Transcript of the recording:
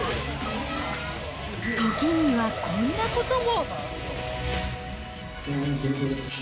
時にはこんなことも。